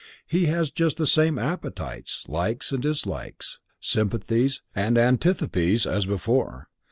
He has just the same appetites, likes and dislikes, sympathies and antipathies, as before.